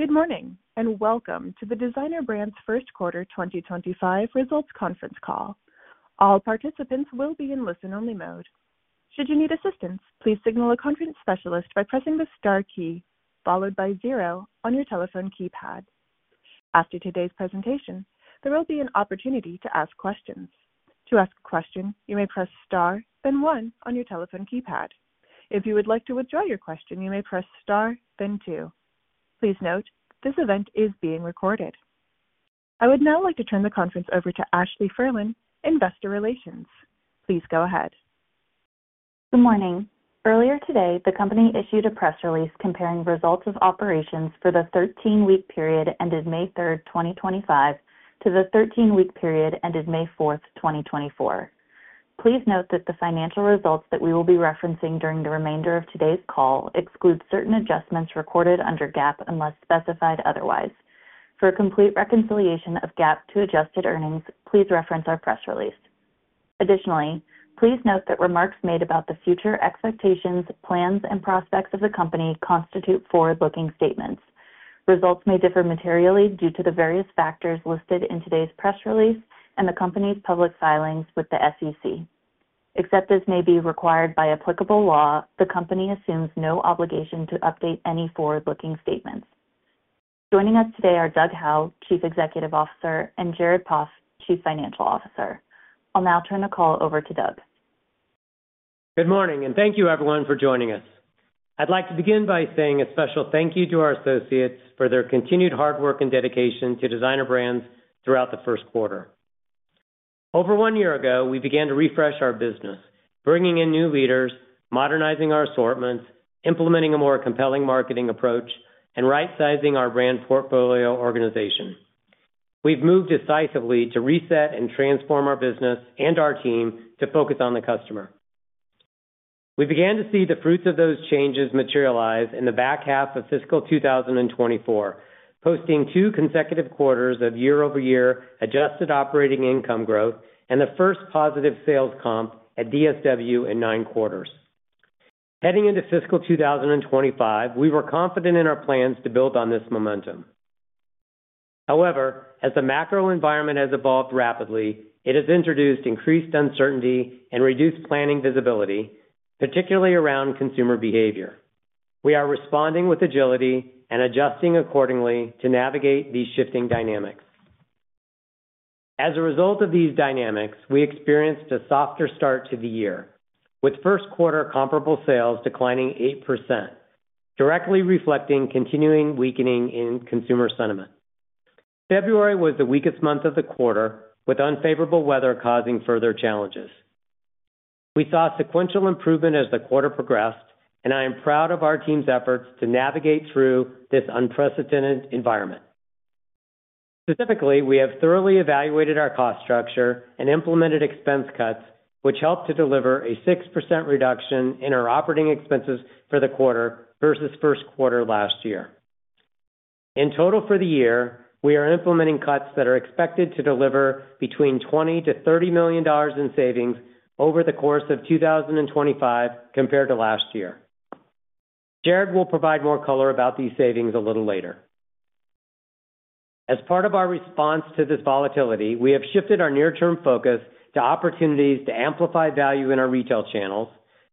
Good morning and welcome to the Designer Brands First Quarter 2025 Results Conference Call. All participants will be in listen-only mode. Should you need assistance, please signal a conference specialist by pressing the star key followed by zero on your telephone keypad. After today's presentation, there will be an opportunity to ask questions. To ask a question, you may press star, then one on your telephone keypad. If you would like to withdraw your question, you may press star, then two. Please note this event is being recorded. I would now like to turn the conference over to Ashley Furlan, Investor Relations. Please go ahead. Good morning. Earlier today, the company issued a press release comparing results of operations for the 13-week period ended May 3rd, 2025, to the 13-week period ended May 4th, 2024. Please note that the financial results that we will be referencing during the remainder of today's call exclude certain adjustments recorded under GAAP unless specified otherwise. For a complete reconciliation of GAAP to adjusted earnings, please reference our press release. Additionally, please note that remarks made about the future expectations, plans, and prospects of the company constitute forward-looking statements. Results may differ materially due to the various factors listed in today's press release and the company's public filings with the SEC. Except as may be required by applicable law, the company assumes no obligation to update any forward-looking statements. Joining us today are Doug Howe, Chief Executive Officer, and Jared Poff, Chief Financial Officer. I'll now turn the call over to Doug. Good morning and thank you, everyone, for joining us. I'd like to begin by saying a special thank you to our associates for their continued hard work and dedication to Designer Brands throughout the first quarter. Over one year ago, we began to refresh our business, bringing in new leaders, modernizing our assortments, implementing a more compelling marketing approach, and right-sizing our brand portfolio organization. We've moved decisively to reset and transform our business and our team to focus on the customer. We began to see the fruits of those changes materialize in the back half of fiscal 2024, posting two consecutive quarters of year-over-year adjusted operating income growth and the first positive sales comp at DSW in nine quarters. Heading into fiscal 2025, we were confident in our plans to build on this momentum. However, as the macro environment has evolved rapidly, it has introduced increased uncertainty and reduced planning visibility, particularly around consumer behavior. We are responding with agility and adjusting accordingly to navigate these shifting dynamics. As a result of these dynamics, we experienced a softer start to the year, with first-quarter comparable sales declining 8%, directly reflecting continuing weakening in consumer sentiment. February was the weakest month of the quarter, with unfavorable weather causing further challenges. We saw sequential improvement as the quarter progressed, and I am proud of our team's efforts to navigate through this unprecedented environment. Specifically, we have thoroughly evaluated our cost structure and implemented expense cuts, which helped to deliver a 6% reduction in our operating expenses for the quarter versus first quarter last year. In total for the year, we are implementing cuts that are expected to deliver between $20 million-$30 million in savings over the course of 2025 compared to last year. Jared will provide more color about these savings a little later. As part of our response to this volatility, we have shifted our near-term focus to opportunities to amplify value in our retail channels,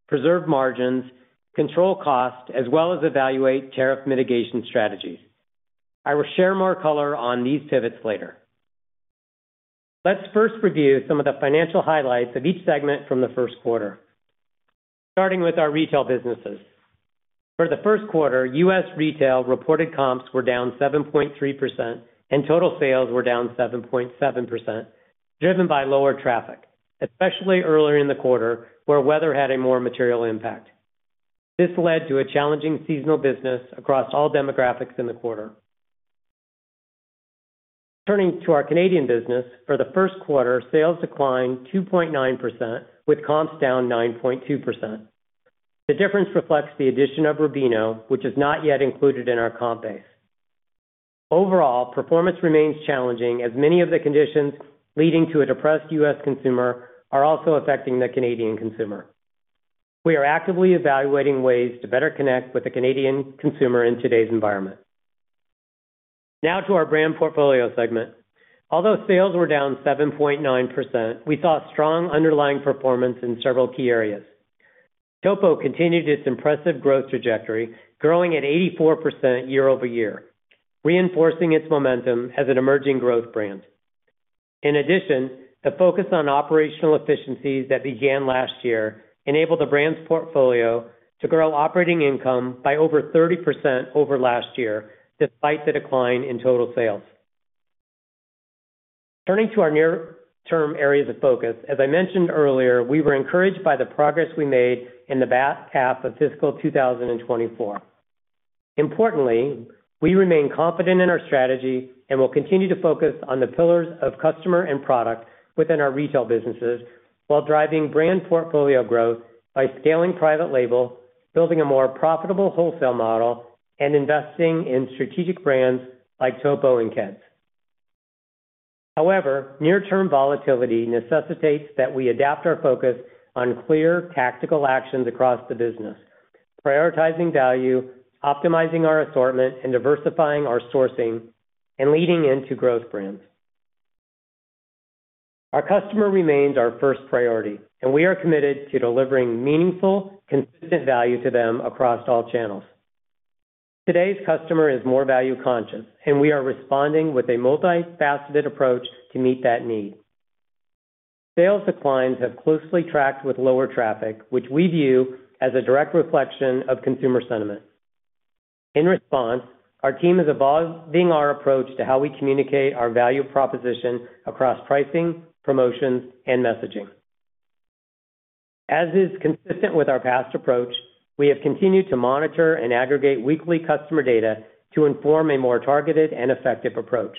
preserve margins, control cost, as well as evaluate tariff mitigation strategies. I will share more color on these pivots later. Let's first review some of the financial highlights of each segment from the first quarter, starting with our retail businesses. For the first quarter, U.S. retail reported comps were down 7.3% and total sales were down 7.7%, driven by lower traffic, especially earlier in the quarter where weather had a more material impact. This led to a challenging seasonal business across all demographics in the quarter. Turning to our Canadian business, for the first quarter, sales declined 2.9%, with comps down 9.2%. The difference reflects the addition of Rubino, which is not yet included in our comp base. Overall, performance remains challenging as many of the conditions leading to a depressed U.S. consumer are also affecting the Canadian consumer. We are actively evaluating ways to better connect with the Canadian consumer in today's environment. Now to our brand portfolio segment. Although sales were down 7.9%, we saw strong underlying performance in several key areas. Topo continued its impressive growth trajectory, growing at 84% year-over-year, reinforcing its momentum as an emerging growth brand. In addition, the focus on operational efficiencies that began last year enabled the brand's portfolio to grow operating income by over 30% over last year, despite the decline in total sales. Turning to our near-term areas of focus, as I mentioned earlier, we were encouraged by the progress we made in the back half of fiscal 2024. Importantly, we remain confident in our strategy and will continue to focus on the pillars of customer and product within our retail businesses while driving brand portfolio growth by scaling private label, building a more profitable wholesale model, and investing in strategic brands like Topo and Keds. However, near-term volatility necessitates that we adapt our focus on clear tactical actions across the business, prioritizing value, optimizing our assortment, and diversifying our sourcing and leading into growth brands. Our customer remains our first priority, and we are committed to delivering meaningful, consistent value to them across all channels. Today's customer is more value-conscious, and we are responding with a multifaceted approach to meet that need. Sales declines have closely tracked with lower traffic, which we view as a direct reflection of consumer sentiment. In response, our team is evolving our approach to how we communicate our value proposition across pricing, promotions, and messaging. As is consistent with our past approach, we have continued to monitor and aggregate weekly customer data to inform a more targeted and effective approach.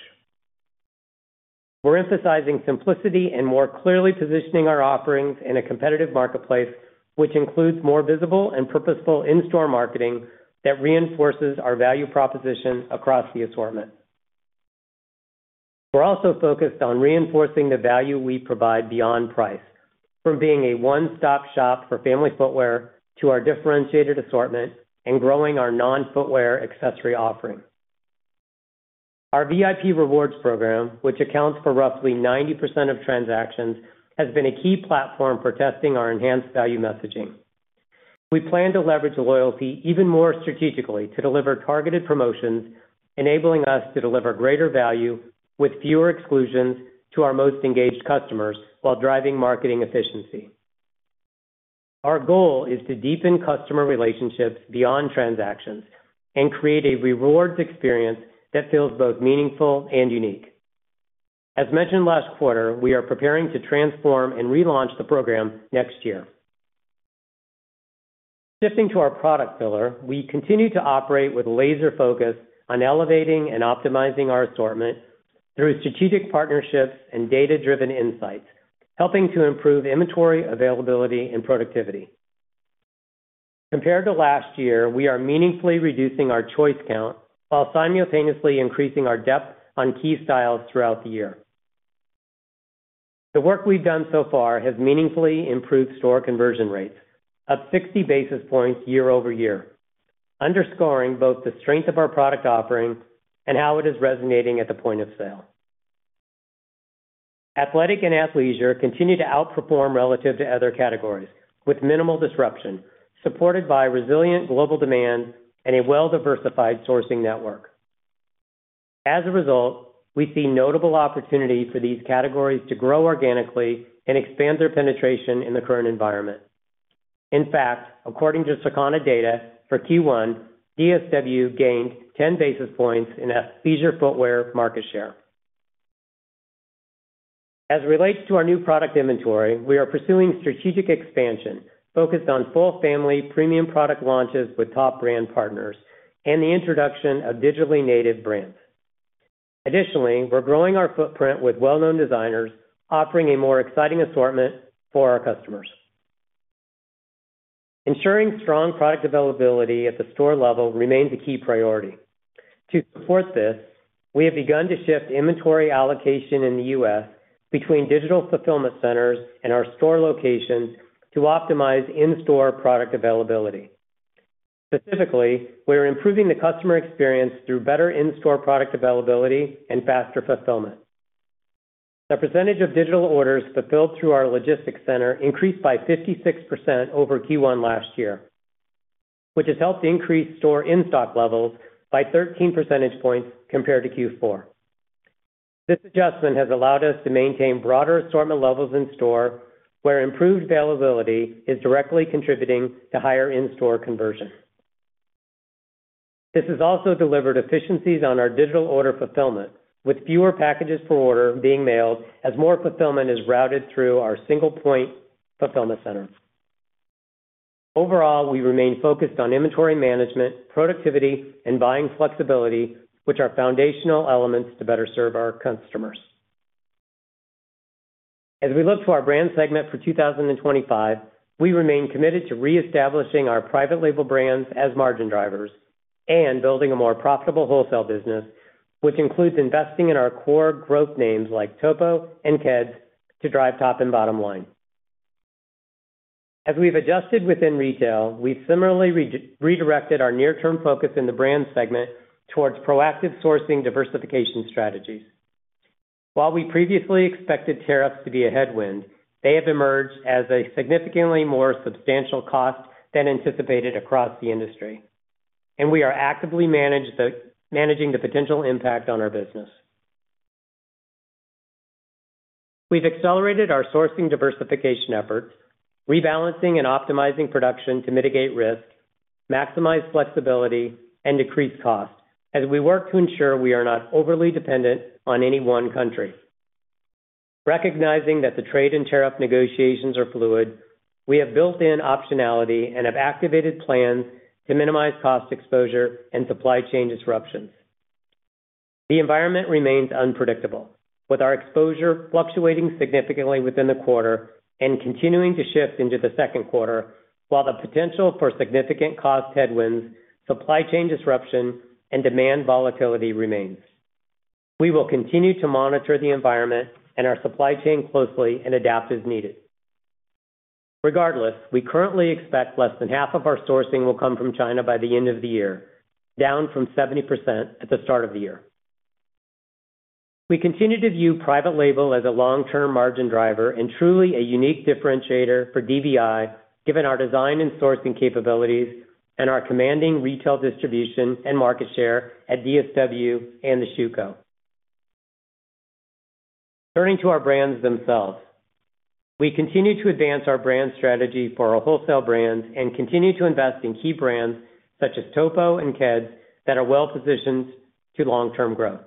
We're emphasizing simplicity and more clearly positioning our offerings in a competitive marketplace, which includes more visible and purposeful in-store marketing that reinforces our value proposition across the assortment. We're also focused on reinforcing the value we provide beyond price, from being a one-stop shop for family footwear to our differentiated assortment and growing our non-footwear accessory offering. Our VIP Rewards program, which accounts for roughly 90% of transactions, has been a key platform for testing our enhanced value messaging. We plan to leverage loyalty even more strategically to deliver targeted promotions, enabling us to deliver greater value with fewer exclusions to our most engaged customers while driving marketing efficiency. Our goal is to deepen customer relationships beyond transactions and create a rewards experience that feels both meaningful and unique. As mentioned last quarter, we are preparing to transform and relaunch the program next year. Shifting to our product pillar, we continue to operate with laser focus on elevating and optimizing our assortment through strategic partnerships and data-driven insights, helping to improve inventory availability and productivity. Compared to last year, we are meaningfully reducing our choice count while simultaneously increasing our depth on key styles throughout the year. The work we've done so far has meaningfully improved store conversion rates, up 60 basis points year-over-year, underscoring both the strength of our product offering and how it is resonating at the point of sale. Athletic and athleisure continue to outperform relative to other categories with minimal disruption, supported by resilient global demand and a well-diversified sourcing network. As a result, we see notable opportunity for these categories to grow organically and expand their penetration in the current environment. In fact, according to Circana data, for Q1, DSW gained 10 basis points in athleisure footwear market share. As it relates to our new product inventory, we are pursuing strategic expansion focused on full-family premium product launches with top brand partners and the introduction of digitally native brands. Additionally, we're growing our footprint with well-known designers, offering a more exciting assortment for our customers. Ensuring strong product availability at the store level remains a key priority. To support this, we have begun to shift inventory allocation in the U.S. between digital fulfillment centers and our store locations to optimize in-store product availability. Specifically, we're improving the customer experience through better in-store product availability and faster fulfillment. The percentage of digital orders fulfilled through our logistics center increased by 56% over Q1 last year, which has helped increase store in-stock levels by 13 percentage points compared to Q4. This adjustment has allowed us to maintain broader assortment levels in store, where improved availability is directly contributing to higher in-store conversion. This has also delivered efficiencies on our digital order fulfillment, with fewer packages per order being mailed as more fulfillment is routed through our single-point fulfillment center. Overall, we remain focused on inventory management, productivity, and buying flexibility, which are foundational elements to better serve our customers. As we look to our brand segment for 2025, we remain committed to reestablishing our private label brands as margin drivers and building a more profitable wholesale business, which includes investing in our core growth names like Topo and Keds to drive top and bottom line. As we've adjusted within retail, we've similarly redirected our near-term focus in the brand segment towards proactive sourcing diversification strategies. While we previously expected tariffs to be a headwind, they have emerged as a significantly more substantial cost than anticipated across the industry, and we are actively managing the potential impact on our business. We've accelerated our sourcing diversification efforts, rebalancing and optimizing production to mitigate risk, maximize flexibility, and decrease cost as we work to ensure we are not overly dependent on any one country. Recognizing that the trade and tariff negotiations are fluid, we have built in optionality and have activated plans to minimize cost exposure and supply chain disruptions. The environment remains unpredictable, with our exposure fluctuating significantly within the quarter and continuing to shift into the second quarter, while the potential for significant cost headwinds, supply chain disruption, and demand volatility remains. We will continue to monitor the environment and our supply chain closely and adapt as needed. Regardless, we currently expect less than half of our sourcing will come from China by the end of the year, down from 70% at the start of the year. We continue to view private label as a long-term margin driver and truly a unique differentiator for DBI, given our design and sourcing capabilities and our commanding retail distribution and market share at DSW and The Shoe Co. Turning to our brands themselves, we continue to advance our brand strategy for our wholesale brands and continue to invest in key brands such as Topo and Keds that are well-positioned to long-term growth.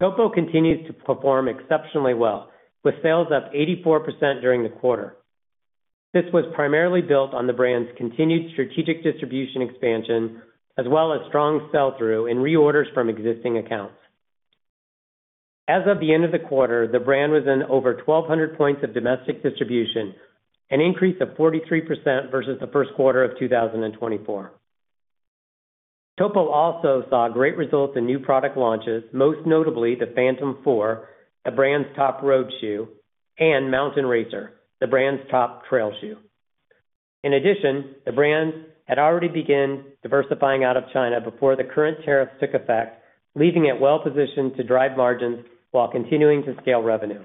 Topo continues to perform exceptionally well, with sales up 84% during the quarter. This was primarily built on the brand's continued strategic distribution expansion, as well as strong sell-through and reorders from existing accounts. As of the end of the quarter, the brand was in over 1,200 points of domestic distribution, an increase of 43% versus the first quarter of 2024. Topo also saw great results in new product launches, most notably the Phantom 4, the brand's top road shoe, and Mountain Racer, the brand's top trail shoe. In addition, the brand had already begun diversifying out of China before the current tariffs took effect, leaving it well-positioned to drive margins while continuing to scale revenue.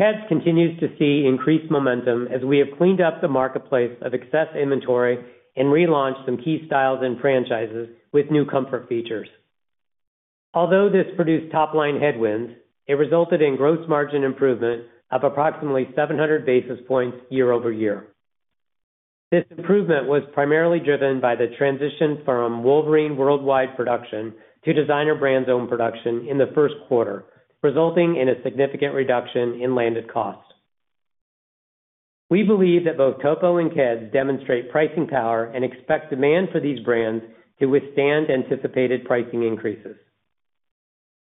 Keds continues to see increased momentum as we have cleaned up the marketplace of excess inventory and relaunched some key styles and franchises with new comfort features. Although this produced top-line headwinds, it resulted in gross margin improvement of approximately 700 basis points year-over-year. This improvement was primarily driven by the transition from Wolverine Worldwide production to Designer Brands' own production in the first quarter, resulting in a significant reduction in landed cost. We believe that both Topo and Keds demonstrate pricing power and expect demand for these brands to withstand anticipated pricing increases.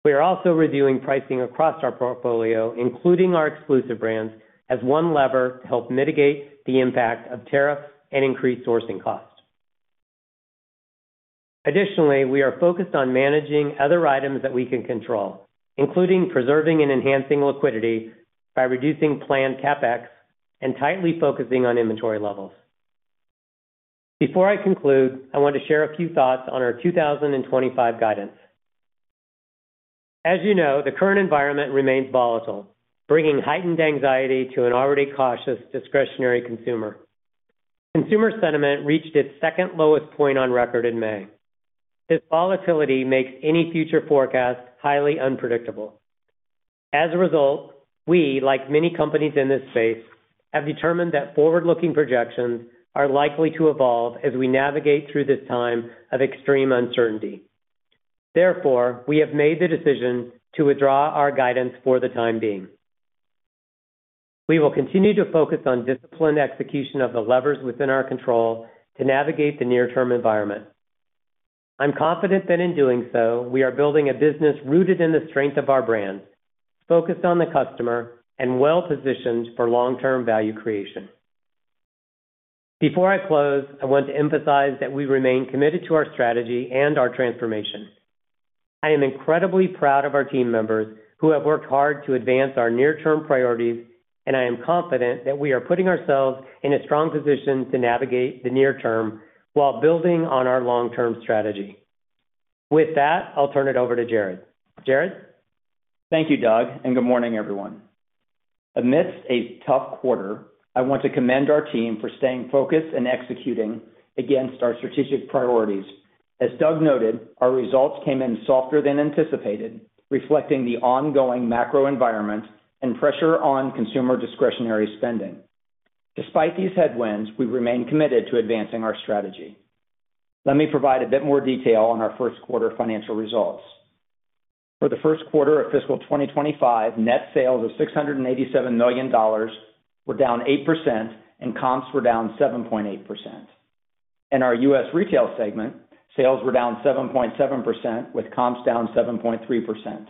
We are also reviewing pricing across our portfolio, including our exclusive brands, as one lever to help mitigate the impact of tariffs and increased sourcing cost. Additionally, we are focused on managing other items that we can control, including preserving and enhancing liquidity by reducing planned CapEx and tightly focusing on inventory levels. Before I conclude, I want to share a few thoughts on our 2025 guidance. As you know, the current environment remains volatile, bringing heightened anxiety to an already cautious discretionary consumer. Consumer sentiment reached its second lowest point on record in May. This volatility makes any future forecast highly unpredictable. As a result, we, like many companies in this space, have determined that forward-looking projections are likely to evolve as we navigate through this time of extreme uncertainty. Therefore, we have made the decision to withdraw our guidance for the time being. We will continue to focus on disciplined execution of the levers within our control to navigate the near-term environment. I'm confident that in doing so, we are building a business rooted in the strength of our brands, focused on the customer, and well-positioned for long-term value creation. Before I close, I want to emphasize that we remain committed to our strategy and our transformation. I am incredibly proud of our team members who have worked hard to advance our near-term priorities, and I am confident that we are putting ourselves in a strong position to navigate the near-term while building on our long-term strategy. With that, I'll turn it over to Jared. Jared? Thank you, Doug, and good morning, everyone. Amidst a tough quarter, I want to commend our team for staying focused and executing against our strategic priorities. As Doug noted, our results came in softer than anticipated, reflecting the ongoing macro environment and pressure on consumer discretionary spending. Despite these headwinds, we remain committed to advancing our strategy. Let me provide a bit more detail on our first quarter financial results. For the first quarter of fiscal 2025, net sales of $687 million were down 8%, and comps were down 7.8%. In our U.S. retail segment, sales were down 7.7%, with comps down 7.3%.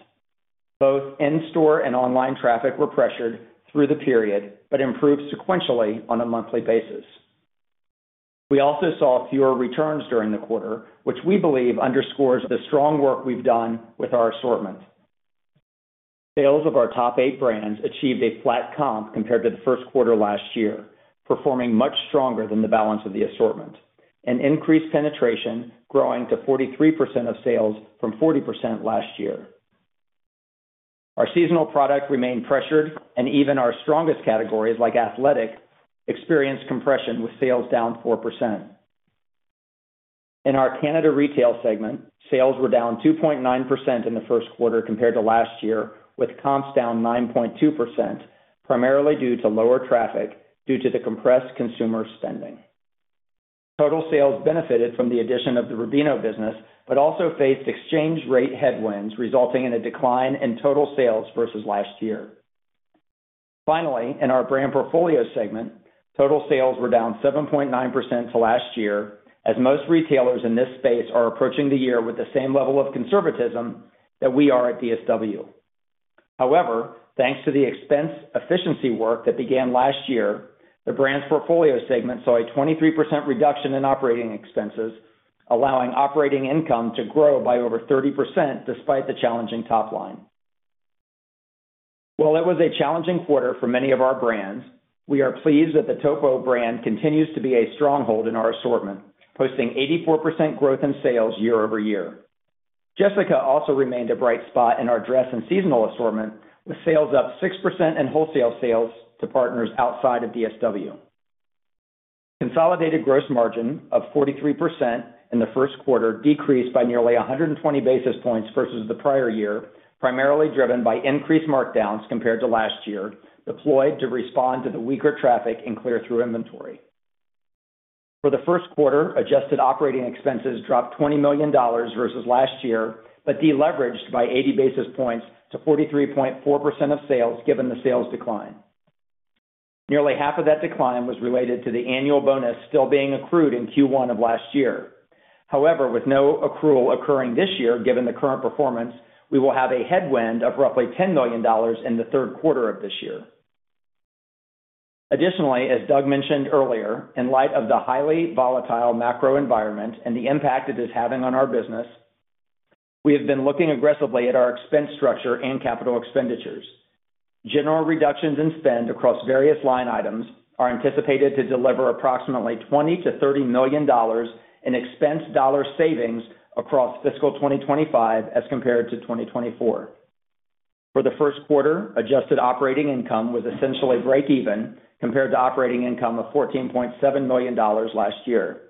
Both in-store and online traffic were pressured through the period but improved sequentially on a monthly basis. We also saw fewer returns during the quarter, which we believe underscores the strong work we've done with our assortment. Sales of our top eight brands achieved a flat comp compared to the first quarter last year, performing much stronger than the balance of the assortment, and increased penetration, growing to 43% of sales from 40% last year. Our seasonal product remained pressured, and even our strongest categories like athletic experienced compression with sales down 4%. In our Canada retail segment, sales were down 2.9% in the first quarter compared to last year, with comps down 9.2%, primarily due to lower traffic due to the compressed consumer spending. Total sales benefited from the addition of the Rubino business but also faced exchange rate headwinds, resulting in a decline in total sales versus last year. Finally, in our brand portfolio segment, total sales were down 7.9% to last year, as most retailers in this space are approaching the year with the same level of conservatism that we are at DSW. However, thanks to the expense efficiency work that began last year, the brand's portfolio segment saw a 23% reduction in operating expenses, allowing operating income to grow by over 30% despite the challenging top line. While it was a challenging quarter for many of our brands, we are pleased that the Topo brand continues to be a stronghold in our assortment, posting 84% growth in sales year-over-year. Jessica also remained a bright spot in our dress and seasonal assortment, with sales up 6% in wholesale sales to partners outside of DSW. Consolidated gross margin of 43% in the first quarter decreased by nearly 120 basis points versus the prior year, primarily driven by increased markdowns compared to last year, deployed to respond to the weaker traffic and clear-through inventory. For the first quarter, adjusted operating expenses dropped $20 million versus last year but deleveraged by 80 basis points to 43.4% of sales given the sales decline. Nearly half of that decline was related to the annual bonus still being accrued in Q1 of last year. However, with no accrual occurring this year given the current performance, we will have a headwind of roughly $10 million in the third quarter of this year. Additionally, as Doug mentioned earlier, in light of the highly volatile macro environment and the impact it is having on our business, we have been looking aggressively at our expense structure and capital expenditures. General reductions in spend across various line items are anticipated to deliver approximately $20 million-$30 million in expense dollar savings across fiscal 2025 as compared to 2024. For the first quarter, adjusted operating income was essentially break-even compared to operating income of $14.7 million last year.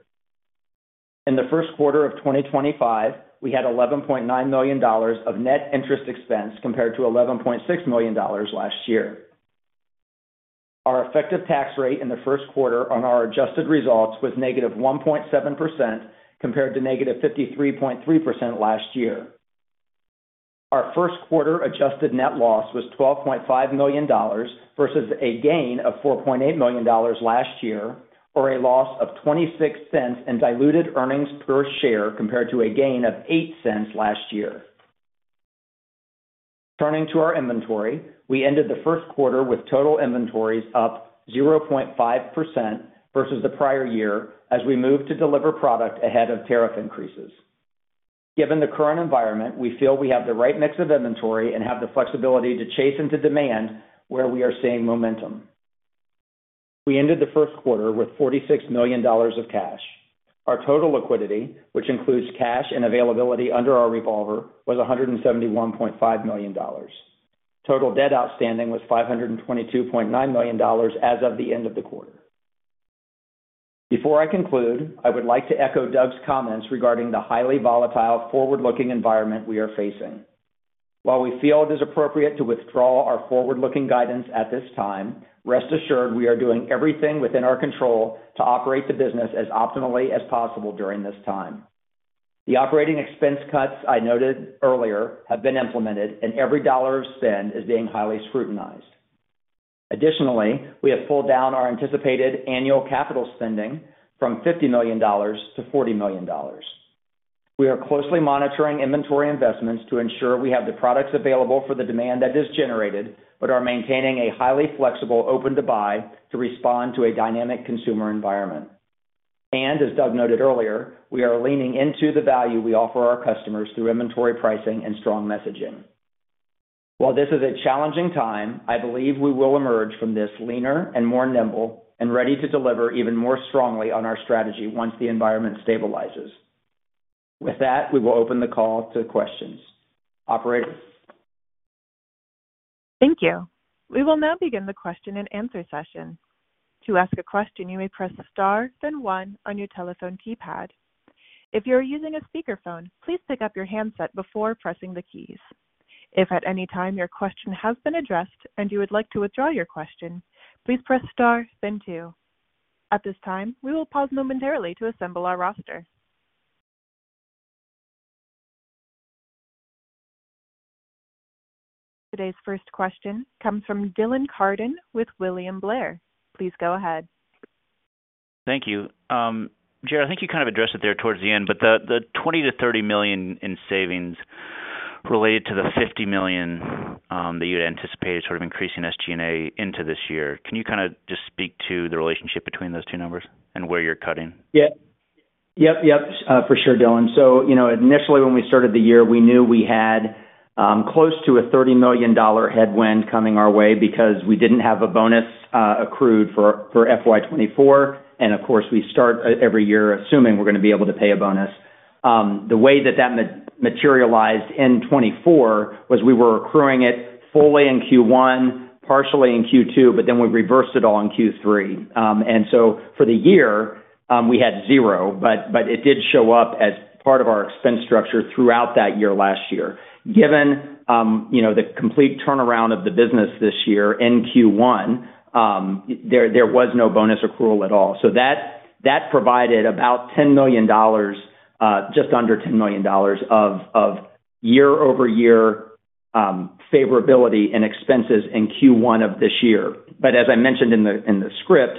In the first quarter of 2025, we had $11.9 million of net interest expense compared to $11.6 million last year. Our effective tax rate in the first quarter on our adjusted results was negative 1.7% compared to negative 53.3% last year. Our first quarter adjusted net loss was $12.5 million versus a gain of $4.8 million last year, or a loss of $0.26 in diluted earnings per share compared to a gain of $0.08 last year. Turning to our inventory, we ended the first quarter with total inventories up 0.5% versus the prior year as we moved to deliver product ahead of tariff increases. Given the current environment, we feel we have the right mix of inventory and have the flexibility to chase into demand where we are seeing momentum. We ended the first quarter with $46 million of cash. Our total liquidity, which includes cash and availability under our revolver, was $171.5 million. Total debt outstanding was $522.9 million as of the end of the quarter. Before I conclude, I would like to echo Doug's comments regarding the highly volatile, forward-looking environment we are facing. While we feel it is appropriate to withdraw our forward-looking guidance at this time, rest assured we are doing everything within our control to operate the business as optimally as possible during this time. The operating expense cuts I noted earlier have been implemented, and every dollar of spend is being highly scrutinized. Additionally, we have pulled down our anticipated annual capital spending from $50 million to $40 million. We are closely monitoring inventory investments to ensure we have the products available for the demand that is generated but are maintaining a highly flexible open-to-buy to respond to a dynamic consumer environment. As Doug noted earlier, we are leaning into the value we offer our customers through inventory pricing and strong messaging. While this is a challenging time, I believe we will emerge from this leaner and more nimble and ready to deliver even more strongly on our strategy once the environment stabilizes. With that, we will open the call to questions. Operators. Thank you. We will now begin the question-and-answer session. To ask a question, you may press star then one on your telephone keypad. If you are using a speakerphone, please pick up your handset before pressing the keys. If at any time your question has been addressed and you would like to withdraw your question, please press star then two. At this time, we will pause momentarily to assemble our roster. Today's first question comes from Dylan Carden with William Blair. Please go ahead. Thank you. Jared, I think you kind of addressed it there towards the end, but the $20 million-$30 million in savings related to the $50 million that you'd anticipated sort of increasing SG&A into this year. Can you kind of just speak to the relationship between those two numbers and where you're cutting? Yep. For sure, Dylan. So initially, when we started the year, we knew we had close to a $30 million headwind coming our way because we didn't have a bonus accrued for FY 2024. Of course, we start every year assuming we're going to be able to pay a bonus. The way that that materialized in 2024 was we were accruing it fully in Q1, partially in Q2, but then we reversed it all in Q3. For the year, we had zero, but it did show up as part of our expense structure throughout that year last year. Given the complete turnaround of the business this year in Q1, there was no bonus accrual at all. That provided about $10 million, just under $10 million, of year-over-year favorability in expenses in Q1 of this year. As I mentioned in the script,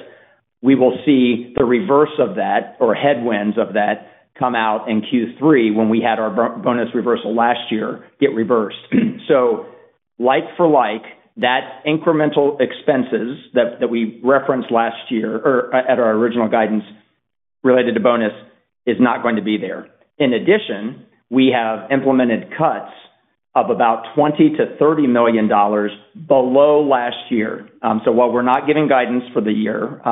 we will see the reverse of that or headwinds of that come out in Q3 when we had our bonus reversal last year get reversed. Like for like, that incremental expenses that we referenced last year or at our original guidance related to bonus is not going to be there. In addition, we have implemented cuts of about $20 million-$30 million below last year. While we're not giving guidance for the year,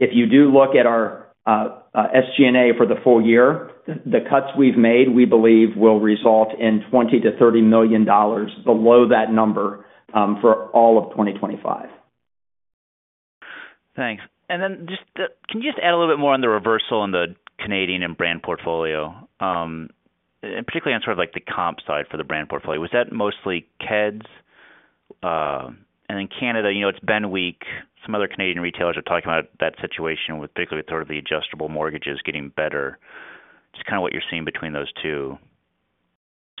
if you do look at our SG&A for the full year, the cuts we've made, we believe, will result in $20 million-$30 million below that number for all of 2025. Thanks. Can you just add a little bit more on the reversal in the Canadian and brand portfolio, particularly on sort of like the comp side for the brand portfolio? Was that mostly Keds? In Canada, it's Ben Week. Some other Canadian retailers are talking about that situation, particularly with sort of the adjustable mortgages getting better. Just kind of what you're seeing between those two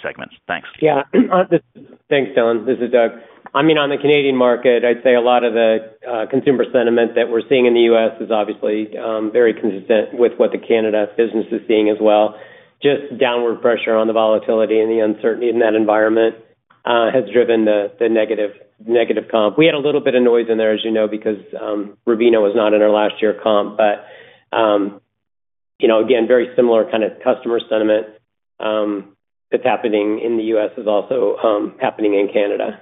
segments. Thanks. Yeah. Thanks, Dylan. This is Doug. I mean, on the Canadian market, I'd say a lot of the consumer sentiment that we're seeing in the U.S. is obviously very consistent with what the Canada business is seeing as well. Just downward pressure on the volatility and the uncertainty in that environment has driven the negative comp. We had a little bit of noise in there, as you know, because Rubino was not in our last year comp. Again, very similar kind of customer sentiment that's happening in the U.S. is also happening in Canada.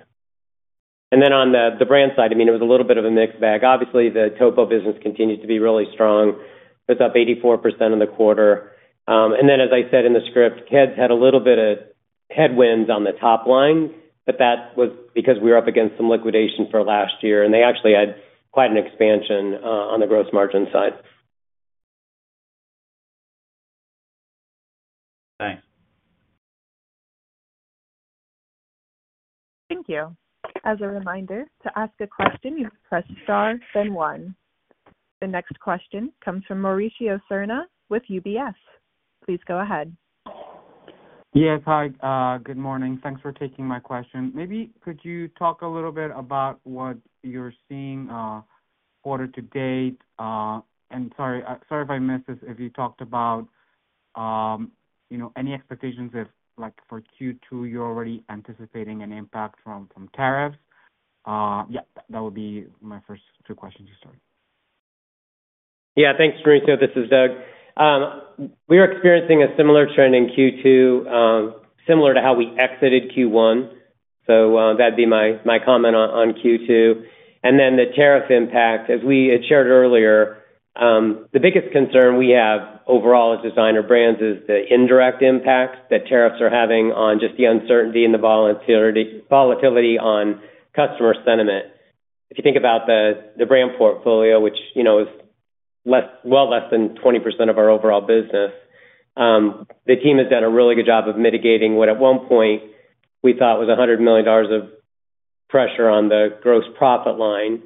On the brand side, I mean, it was a little bit of a mixed bag. Obviously, the Topo business continues to be really strong. It was up 84% in the quarter. As I said in the script, Keds had a little bit of headwinds on the top line, but that was because we were up against some liquidation for last year, and they actually had quite an expansion on the gross margin side. Thank you. As a reminder, to ask a question, you press star then one. The next question comes from Mauricio Serna with UBS. Please go ahead. Yes, hi. Good morning. Thanks for taking my question. Maybe could you talk a little bit about what you're seeing quarter to date? Sorry if I missed this. If you talked about any expectations for Q2, you're already anticipating an impact from tariffs. That would be my first two questions to start. Thanks, Mauricio. This is Doug. We are experiencing a similar trend in Q2, similar to how we exited Q1. That'd be my comment on Q2. The tariff impact, as we had shared earlier, the biggest concern we have overall as Designer Brands is the indirect impact that tariffs are having on just the uncertainty and the volatility on customer sentiment. If you think about the brand portfolio, which is well less than 20% of our overall business, the team has done a really good job of mitigating what at one point we thought was $100 million of pressure on the gross profit line,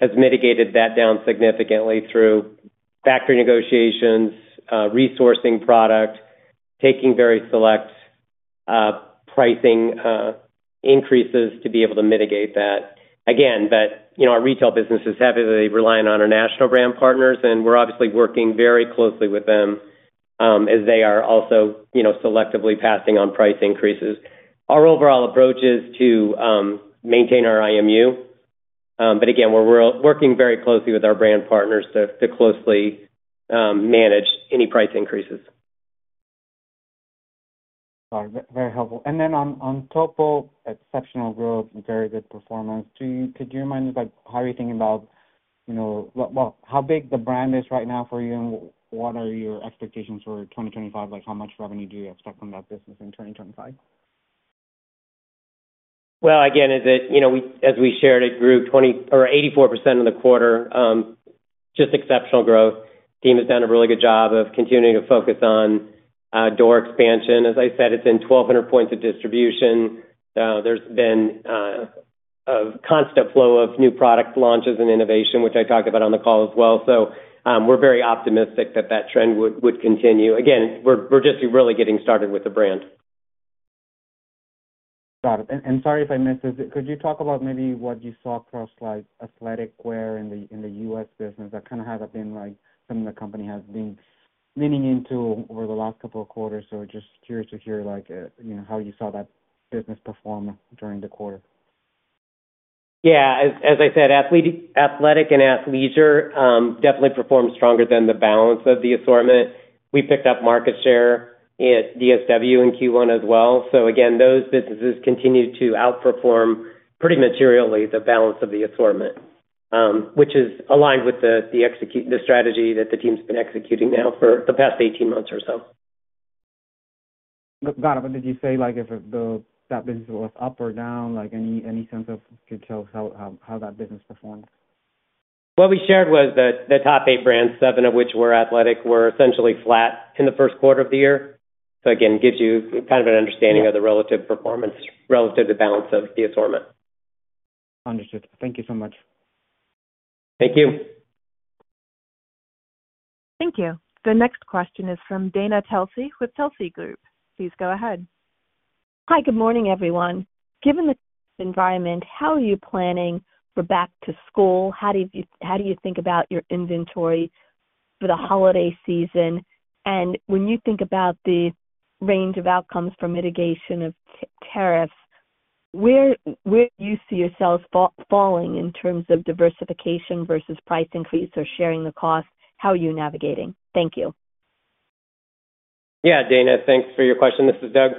has mitigated that down significantly through factory negotiations, resourcing product, taking very select pricing increases to be able to mitigate that. Again, our retail business is heavily reliant on our national brand partners, and we're obviously working very closely with them as they are also selectively passing on price increases. Our overall approach is to maintain our IMU, but again, we're working very closely with our brand partners to closely manage any price increases. Sorry. Very helpful. Then on Topo, exceptional growth and very good performance. Could you remind us how are you thinking about how big the brand is right now for you and what are your expectations for 2025? How much revenue do you expect from that business in 2025? As we shared, it grew 84% in the quarter. Just exceptional growth. The team has done a really good job of continuing to focus on door expansion. As I said, it's in 1,200 points of distribution. There's been a constant flow of new product launches and innovation, which I talked about on the call as well. We are very optimistic that that trend would continue. Again, we're just really getting started with the brand. Got it. Sorry if I missed this. Could you talk about maybe what you saw across athletic wear in the U.S. business? That kind of has been something the company has been leaning into over the last couple of quarters. Just curious to hear how you saw that business perform during the quarter. Yeah. As I said, athletic and athleisure definitely performed stronger than the balance of the assortment. We picked up market share at DSW in Q1 as well. Those businesses continue to outperform pretty materially the balance of the assortment, which is aligned with the strategy that the team's been executing now for the past 18 months or so. Got it. Did you say if that business was up or down? Any sense of how that business performed? What we shared was that the top eight brands, seven of which were athletic, were essentially flat in the first quarter of the year. It gives you kind of an understanding of the relative performance relative to the balance of the assortment. Understood. Thank you so much. Thank you. Thank you. The next question is from Dana Telsey with Telsey Group. Please go ahead. Hi. Good morning, everyone. Given the environment, how are you planning for back to school? How do you think about your inventory for the holiday season? When you think about the range of outcomes for mitigation of tariffs, where do you see yourselves falling in terms of diversification versus price increase or sharing the cost? How are you navigating? Thank you. Yeah, Dana, thanks for your question. This is Doug.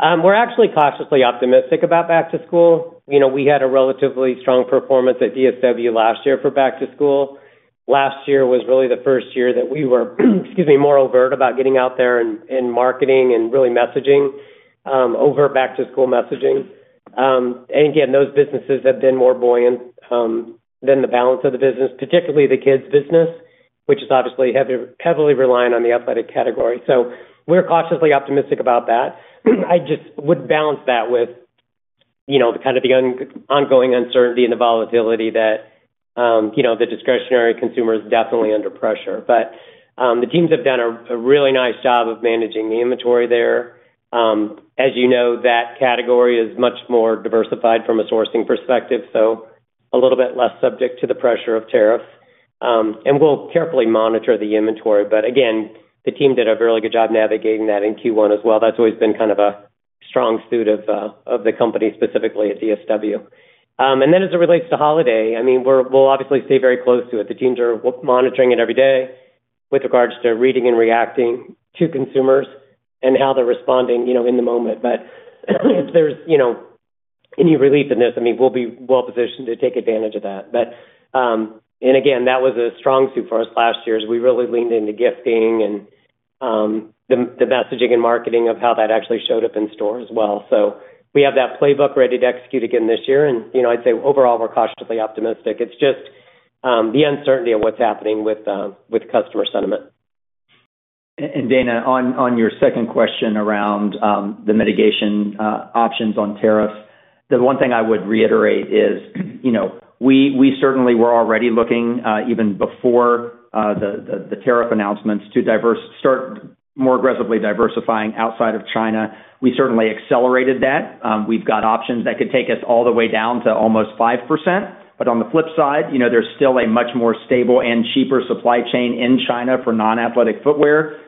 We are actually cautiously optimistic about back to school. We had a relatively strong performance at DSW last year for back to school. Last year was really the first year that we were, excuse me, more overt about getting out there and marketing and really messaging over back to school messaging. Those businesses have been more buoyant than the balance of the business, particularly the kids' business, which is obviously heavily reliant on the athletic category. We are cautiously optimistic about that. I just would balance that with kind of the ongoing uncertainty and the volatility that the discretionary consumer is definitely under pressure. The teams have done a really nice job of managing the inventory there. As you know, that category is much more diversified from a sourcing perspective, so a little bit less subject to the pressure of tariffs. We will carefully monitor the inventory. Again, the team did a really good job navigating that in Q1 as well. That has always been kind of a strong suit of the company, specifically at DSW. As it relates to holiday, I mean, we will obviously stay very close to it. The teams are monitoring it every day with regards to reading and reacting to consumers and how they are responding in the moment. If there is any relief in this, I mean, we will be well-positioned to take advantage of that. That was a strong suit for us last year as we really leaned into gifting and the messaging and marketing of how that actually showed up in store as well. We have that playbook ready to execute again this year. I would say overall, we are cautiously optimistic. It is just the uncertainty of what is happening with customer sentiment. Dana, on your second question around the mitigation options on tariffs, the one thing I would reiterate is we certainly were already looking, even before the tariff announcements, to start more aggressively diversifying outside of China. We certainly accelerated that. We've got options that could take us all the way down to almost 5%. On the flip side, there's still a much more stable and cheaper supply chain in China for non-athletic footwear.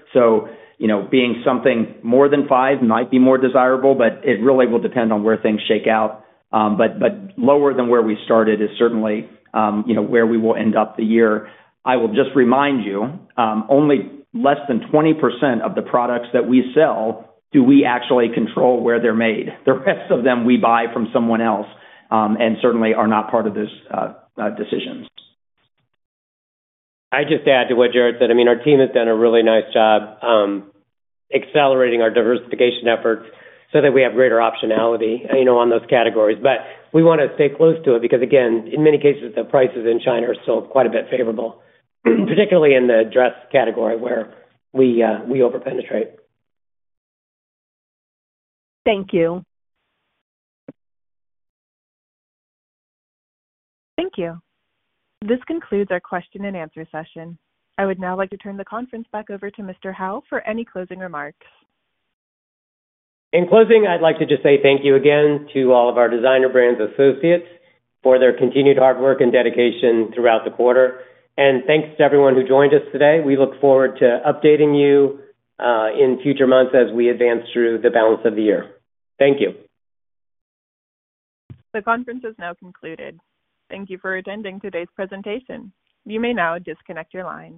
Being something more than 5% might be more desirable, but it really will depend on where things shake out. Lower than where we started is certainly where we will end up the year. I will just remind you, only less than 20% of the products that we sell do we actually control where they're made. The rest of them we buy from someone else and certainly are not part of those decisions. I'd just add to what Jared said. I mean, our team has done a really nice job accelerating our diversification efforts so that we have greater optionality on those categories. We want to stay close to it because, again, in many cases, the prices in China are still quite a bit favorable, particularly in the dress category where we overpenetrate. Thank you. Thank you. This concludes our question and answer session. I would now like to turn the conference back over to Mr. Howe for any closing remarks. In closing, I'd like to just say thank you again to all of our Designer Brands associates for their continued hard work and dedication throughout the quarter. Thanks to everyone who joined us today. We look forward to updating you in future months as we advance through the balance of the year. Thank you. The conference is now concluded. Thank you for attending today's presentation. You may now disconnect your line.